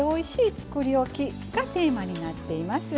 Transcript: つくりおき」がテーマになっています。